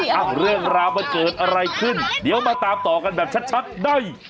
เรื่องราวมันเกิดอะไรขึ้นเดี๋ยวมาตามต่อกันแบบชัดได้